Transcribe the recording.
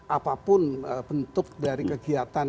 apapun bentuk dari kegiatan